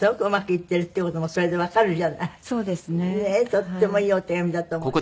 とってもいいお手紙だと思います。